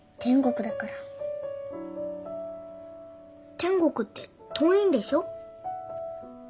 天国って遠いんでしょ？